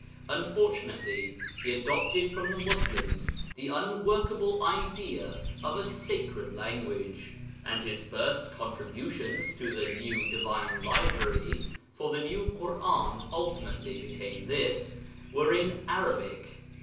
Unfortunately he adopted from the Muslims the unworkable idea of a sacred language, and his first contributions to the new Divine Library (for the new Ḳur'an ultimately became this) were in Arabic.